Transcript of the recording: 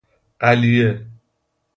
قلیه